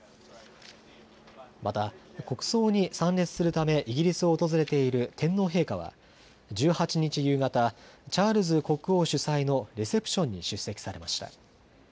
また、国葬に参列するためイギリスを訪れている天皇陛下は１８日夕方、チャールズ国王主催のレセプションに出席されました。